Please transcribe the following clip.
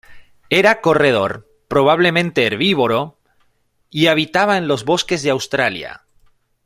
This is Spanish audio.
Era corredor, probablemente herbívoro y habitaba en los bosques de Australia.